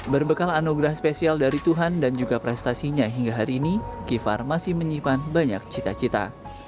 berbekal anugerah spesial dari tuhan dan juga prestasinya hingga hari ini givhar masih menyimpan banyak cita cita